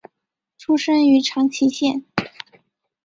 出身于长崎县。